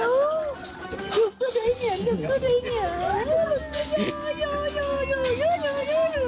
ก็ได้เหนียว